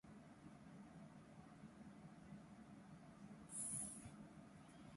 かかる世界は多と一との絶対矛盾的自己同一として、逆に一つの世界が無数に自己自身を表現するということができる。